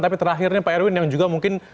tapi terakhirnya pak erwin yang juga mungkin